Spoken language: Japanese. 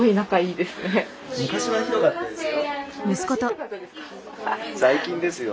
昔ひどかったんですか？